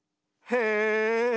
「へえ！